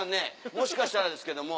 もしかしたらですけども。